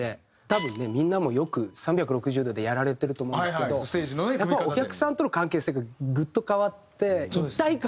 多分ねみんなもよく３６０度でやられてると思うんですけどやっぱお客さんとの関係性がグッと変わって。